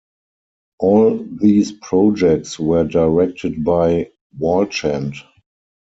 All these projects were directed by Walchand.